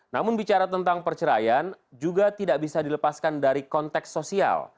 namun bicara tentang perceraian juga tidak bisa dilepaskan dari konteks sosial